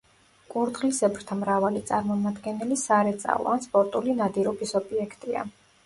კურდღლისებრთა მრავალი წარმომადგენელი სარეწაო ან სპორტული ნადირობის ობიექტია.